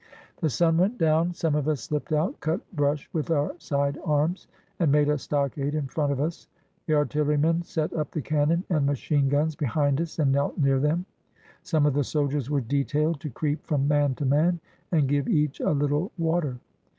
The sun went down. Some of us slipped out, cut brush with our side arms, and made a stockade in front of us. The artiller^Tuen set up the cannon and machine guns behind us and knelt near them. Some of the sol diers were detailed to creep from man to man and give each a little water.